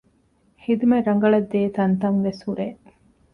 ޚިދުމަތް ރަނގަޅަށް ދޭ ތަންތަން ވެސް ހުރޭ